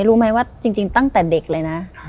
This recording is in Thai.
รู้ไหมว่าจริงตั้งแต่เด็กเลยนะ